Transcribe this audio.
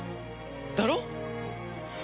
だろ？